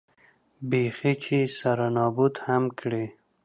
بېخي چې سره نابود هم کړي.